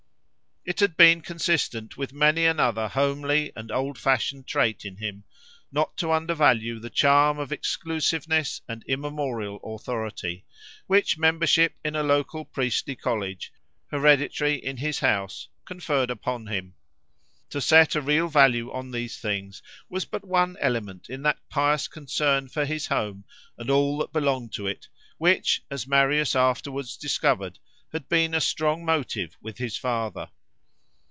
It had been consistent with many another homely and old fashioned trait in him, not to undervalue the charm of exclusiveness and immemorial authority, which membership in a local priestly college, hereditary in his house, conferred upon him. To set a real value on these things was but one element in that pious concern for his home and all that belonged to it, which, as Marius afterwards discovered, had been a strong motive with his father.